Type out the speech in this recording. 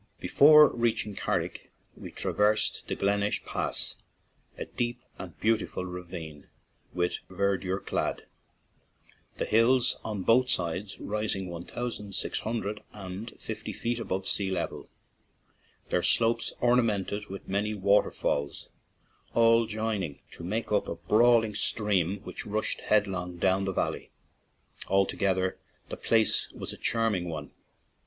Before reaching Carrick we traversed the Glengesh Pass, a deep and beautiful ra vine, " with verdure clad/' the hills on both sides rising one thousand six hundred and fifty feet above sea level, their slopes ornamented with many water falls, all join ing to make up a brawling stream which rushed headlong down the valley. Alto gether the place was a most charming one.